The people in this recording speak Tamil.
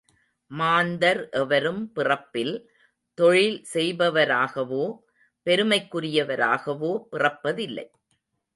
மாந்தர் எவரும் பிறப்பில் தொழில் செய்பவராகவோ, பெருமைக்குரியவராகவோ பிறப்பதில்லை.